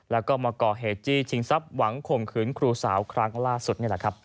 และก็มาก่อเหตุที่ชิงทรัพย์หวังข่มขืนครูสาวครั้งล่าสุด